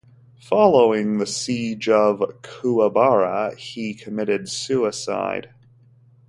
Following the Siege of Kuwabara, he committed suicide.